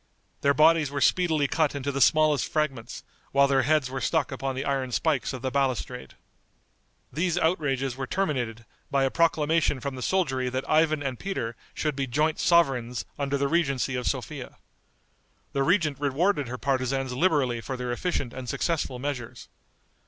Their bodies were speedily cut into the smallest fragments, while their heads were stuck upon the iron spikes of the balustrade. These outrages were terminated by a proclamation from the soldiery that Ivan and Peter should be joint sovereigns under the regency of Sophia. The regent rewarded her partisans liberally for their efficient and successful measures.